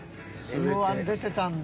Ｍ−１出てたんだ。